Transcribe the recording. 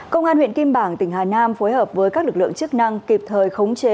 công an huyện kim bảng tỉnh hà nam phối hợp với các lực lượng chức năng kịp thời khống chế